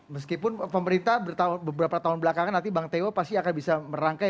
meskipun pemerintah beberapa tahun belakangan nanti bang teo pasti akan bisa merangkai